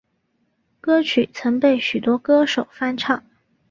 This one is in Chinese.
歌曲曾被许多歌手翻唱。